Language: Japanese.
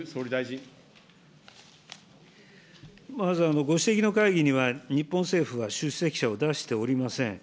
まず、ご指摘の会議には日本政府が出席者を出しておりません。